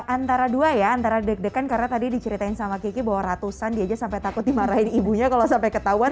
antara dua ya antara deg degan karena tadi diceritain sama kiki bahwa ratusan diajak sampai takut dimarahin ibunya kalau sampai ketahuan